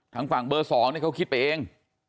ทางฝั่งเบอร์สองนี่เขาคิดเอง